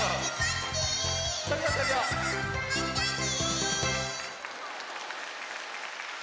またね！